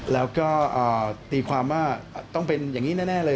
แล้วก็ตีความว่าต้องเป็นอย่างนี้แน่เลย